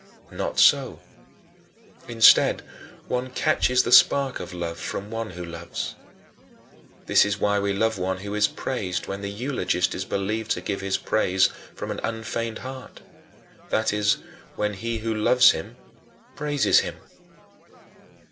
Not so. Instead, one catches the spark of love from one who loves. This is why we love one who is praised when the eulogist is believed to give his praise from an unfeigned heart; that is, when he who loves him praises him.